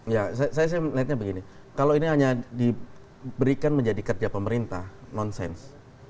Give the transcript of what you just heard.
ya saya lihatnya begini kalau ini hanya diberikan menjadi kerja pemerintah nonsens